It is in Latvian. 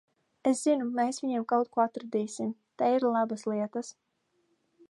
Es zinu, mēs viņiem kaut ko atradīsim. Te ir labas lietas.